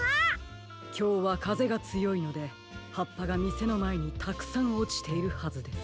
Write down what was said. きょうはかぜがつよいのではっぱがみせのまえにたくさんおちているはずです。